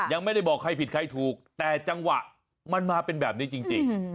ยังไม่ได้บอกใครผิดใครถูกแต่จังหวะมันมาเป็นแบบนี้จริง